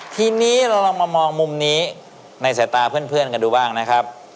ทีนี้เราลองมามองมุมนี้ในสายตาเพื่อนกันดูบ้างนะครับ